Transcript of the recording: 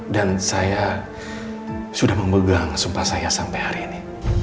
dan saya sudah memegang sumpah saya sampai hari ini